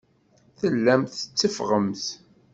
Tellamt tetteffɣemt.